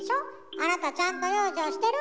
あなたちゃんと養生してる？